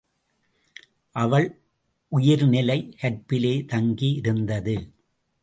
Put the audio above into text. அவள் உயிர்நிலை கற்பிலே தங்கி இருந்தது.